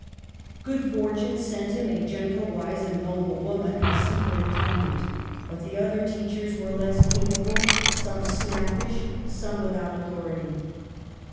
Good fortune sent him a gentle, wise, and noble woman as super intendent ; but the other teachers were less ca pable, some snappish, some without authority.